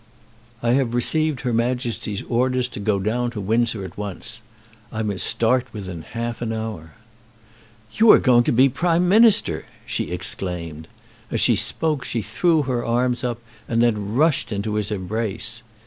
"I have received her Majesty's orders to go down to Windsor at once. I must start within half an hour." "You are going to be Prime Minister!" she exclaimed. As she spoke she threw her arms up, and then rushed into his embrace.